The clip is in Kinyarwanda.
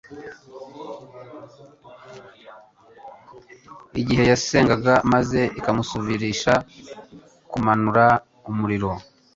igihe yasengaga maze ikamusubirisha kumanura umuriro